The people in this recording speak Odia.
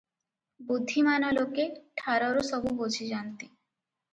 ବୁଦ୍ଧିମାନ ଲୋକେ ଠାରରୁ ସବୁ ବୁଝିଯାନ୍ତି ।